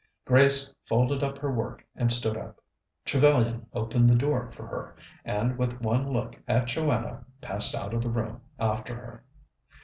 Grace folded up her work and stood up. Trevellyan opened the door for her, and, with one look at Joanna, passed out of the room after her.